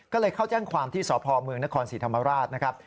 ก็เลยเข้าแจ้งความที่สพเมืองนครศรีธรรมราชนะครับ